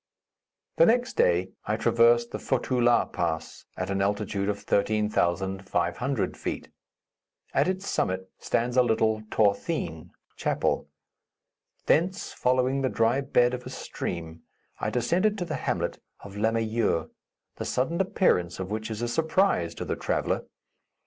The next day I traversed the Fotu La Pass, at an altitude of 13,500 feet. At its summit stands a little t'horthene (chapel). Thence, following the dry bed of a stream, I descended to the hamlet of Lamayure, the sudden appearance of which is a surprise to the traveller.